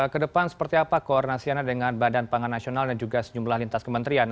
kedepan seperti apa koordinasi anda dengan badan pangan nasional dan juga sejumlah lintas kementerian